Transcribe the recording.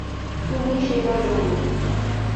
তুমি সেটা জানো।